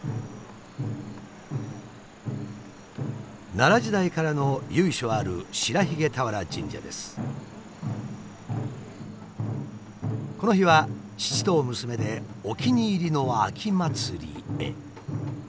奈良時代からの由緒あるこの日は父と娘でお気に入りの秋祭りへ。